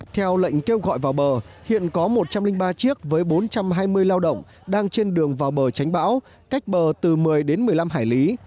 theo lệnh kêu gọi vào bờ hiện có một trăm linh ba chiếc với bốn trăm hai mươi lao động đang trên đường vào bờ tránh bão cách bờ từ một mươi đến một mươi năm hải lý